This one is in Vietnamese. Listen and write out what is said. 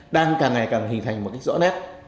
đang càng ngày càng hình thành một cách rõ nét